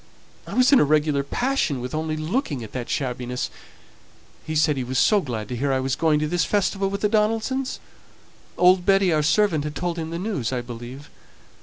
I was in a regular passion with only looking at that shabbiness. He said he was so glad to hear I was going to this festival with the Donaldsons; old Betty, our servant, had told him the news, I believe.